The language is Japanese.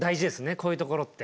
こういうところって。